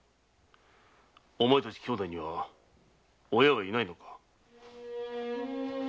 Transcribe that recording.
お前たち兄妹には親はいないのか。